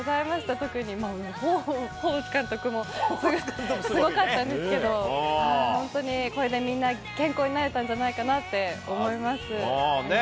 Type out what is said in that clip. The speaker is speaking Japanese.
特にホーバス監督もすごかったですけどこれでみんな健康になれたんじゃないかなと思います。